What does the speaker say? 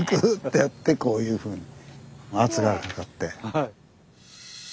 ぐってやってこういうふうに圧がかかって。